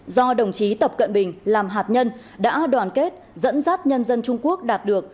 do đồng chí tập cận bình làm hạt nhân đã đoàn kết dẫn dắt nhân dân trung quốc đạt được